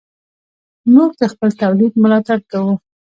موږ د خپل تولید ملاتړ کوو.